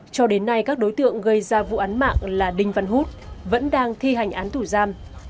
cho đến nay các đối tượng gây ra vụ án mạng là đinh văn hút vẫn đang thi hành án tù giam